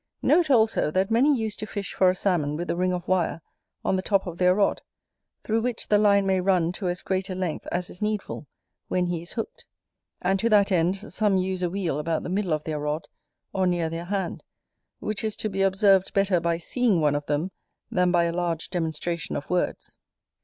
Note also, that many used to fish for a Salmon with a ring of wire on the top of their rod, through which the line may run to as great a length as is needful, when he is hooked. And to that end, some use a wheel about the middle of their rod, or near their hand, which is to be observed better by seeing one of them than by a large demonstration of words.